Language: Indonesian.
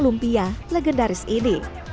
lumpia legendaris ini